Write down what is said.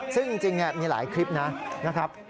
ซึ่งจริงมีหลายคลิปนะครับ